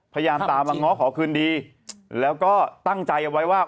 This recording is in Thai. พยายามตามมาง้อขอคืนดีแล้วก็ตั้งใจเอาไว้ว่า